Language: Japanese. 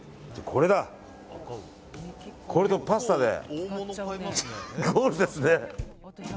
これでパスタでゴールですね。